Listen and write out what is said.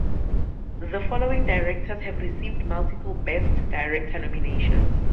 The following Directors have received multiple Best Director nominations.